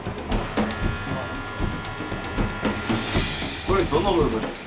・これはどの部分ですか？